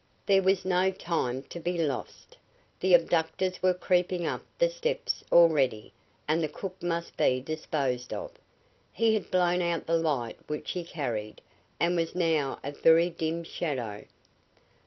There was no time to be lost. The abductors were creeping up the steps already, and the cook must be disposed of. He had blown out the light which he carried, and was now a very dim shadow.